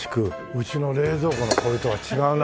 うちの冷蔵庫の氷とは違うな。